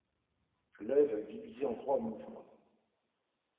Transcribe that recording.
L'œuvre est divisée en trois mouvements.